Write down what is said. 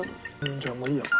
じゃあもういいや。